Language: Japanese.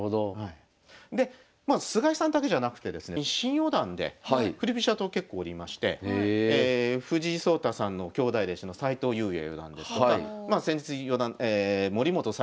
でまあ菅井さんだけじゃなくてですね新四段で振り飛車党結構おりまして藤井聡太さんの兄弟弟子の齋藤裕也四段ですとか先日四段森本才